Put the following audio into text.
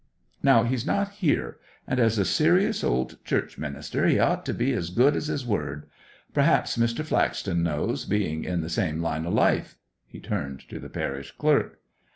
Now he's not here, and as a serious old church minister he ought to be as good as his word. Perhaps Mr. Flaxton knows, being in the same line of life?' He turned to the parish clerk.